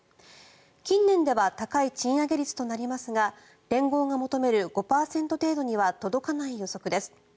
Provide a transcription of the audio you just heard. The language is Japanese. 近年では高い賃上げ率となりますが連合が求める５％程度には届かない予測です。